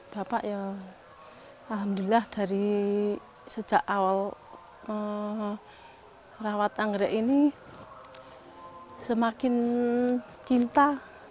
bapak ya alhamdulillah dari sejak awal merawat anggrek ini semakin cinta